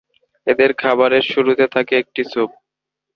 এদের খাবারের শুরুতে থাকে একটি স্যুপ।